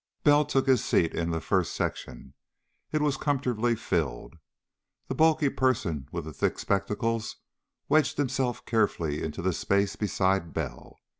Bell took his seat in the first section. It was comfortably filled. The bulky person with the thick spectacles wedged himself carefully into the space beside Bell.